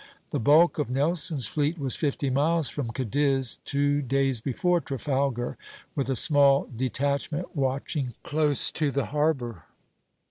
The bulk of Nelson's fleet was fifty miles from Cadiz two days before Trafalgar, with a small detachment watching close to the harbor.